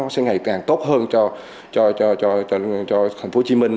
sẽ ngày càng tốt hơn cho thành phố hồ chí minh